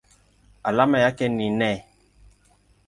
Alama yake ni Ne.